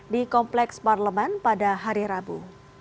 di kompleks parlemen pada hari rabu